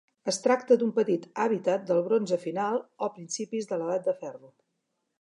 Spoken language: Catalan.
Es tracta d'un petit hàbitat del Bronze final o principis de l'Edat del Ferro.